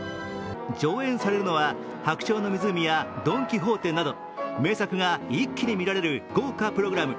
上演されるのは「白鳥の湖」や「ドン・キホーテ」など名作が一気に見られる豪華プログラム。